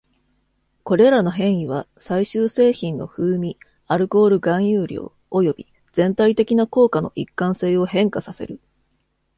これらの変異は、最終製品の風味、アルコール含有量、および全体的な効果の一貫性を変化させる。